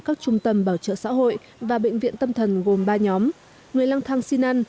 các trung tâm bảo trợ xã hội và bệnh viện tâm thần gồm ba nhóm người lang thang xin ăn